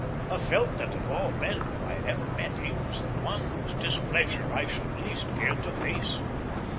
I felt that of all men whom I had ever met he was the one whose displeasure I should least care to face.